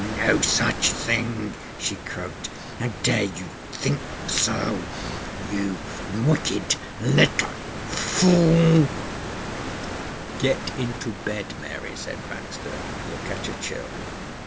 "No such thing," she croaked. "How dare you think so, you wicked little fool?" "Get into bed, Mary," said Baxter. "You'll catch a chill."